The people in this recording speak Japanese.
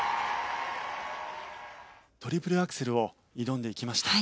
トリプルアクセルを挑んでいきました。